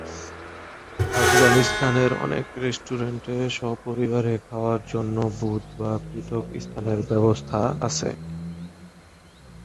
আফগানিস্তানের অনেক রেস্টুরেন্টে সপরিবারে খাওয়ার জন্য বুথ বা পৃথক স্থানের ব্যবস্থা আছে।